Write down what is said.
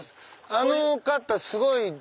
あの方すごい！